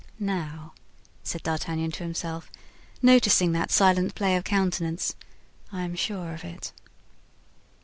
"Now," said D'Artagnan to himself, noticing that silent play of countenance, "I am sure of it."